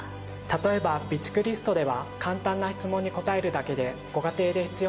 例えば「備蓄リスト」では簡単な質問に答えるだけで。